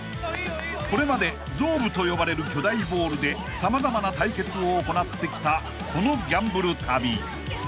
［これまでゾーブと呼ばれる巨大ボールで様々な対決を行ってきたこのギャンブル旅］